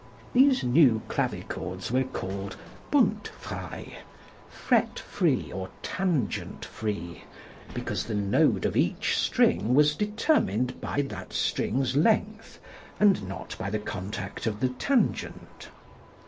These new clavichords were called bundfrei (fret free or tangent free) because the node of each string was determined by that string's length and not by the contact of the tangent.